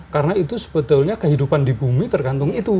karena itu sebetulnya kehidupan di bumi tergantung itu